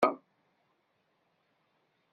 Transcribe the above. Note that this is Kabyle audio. Refdeɣ allen-iw s igenni, yeɣli-d fell-i ṭlam.